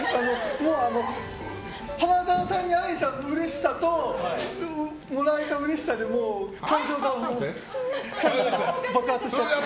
花澤さんに会えたうれしさともらえたうれしさでもう感情が爆発しちゃって。